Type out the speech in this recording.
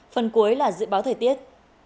phần cuối là dự báo thời tiết